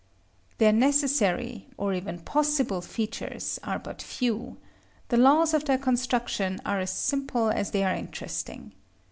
Their necessary, or even possible, features are but few; the laws of their construction are as simple as they are interesting.